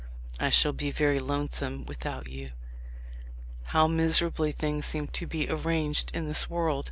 .. I shall be very lonesome without you. How miserably things seem to be arranged in this world!